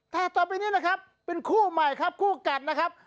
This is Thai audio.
แต่ต่อไปนี้นะครับเป็นคู่ใหม่ครับคู่กัดนะครับ